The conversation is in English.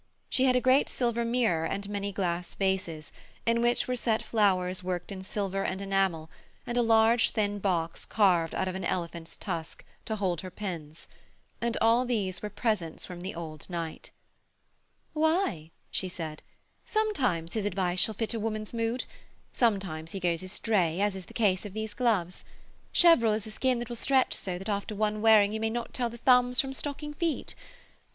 She had a great silver mirror and many glass vases, in which were set flowers worked in silver and enamel, and a large, thin box carved out of an elephant's tusk, to hold her pins; and all these were presents from the old knight. 'Why,' she said, 'sometimes his advice shall fit a woman's mood; sometimes he goes astray, as in the case of these gloves. Cheverel is a skin that will stretch so that after one wearing you may not tell the thumbs from stocking feet.